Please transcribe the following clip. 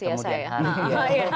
itu rahasia saya